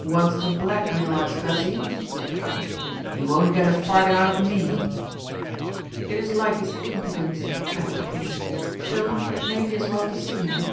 "Wants to blackmail us, does he?" said the King. "He won't get a farthing out of me!" "It is like his impudence," added the Queen. "Still, it may be as well to see him."